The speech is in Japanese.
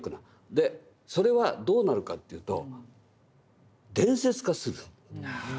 でそれはどうなるかというと伝説化する。